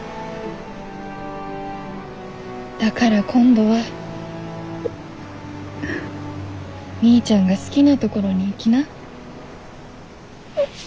だから今度はみーちゃんが好きなところに行きな。